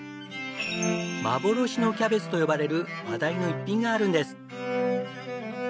「幻のキャベツ」と呼ばれる話題の逸品があるんです。